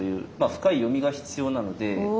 深い読みが必要なので。